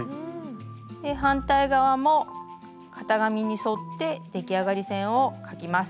反対側も型紙に沿って出来上がり線を描きます。